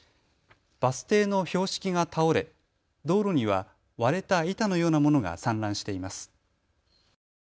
バス停の標識が倒れ道路には割れた板のようなものが散乱しています。